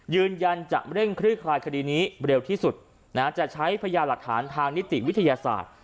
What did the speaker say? ยืนยันจะเร่งคลี่คลายคดีนี้เร็วที่สุดจะใช้พญาหลักฐานทางนิติวิทยาศาสตร์